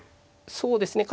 そうですね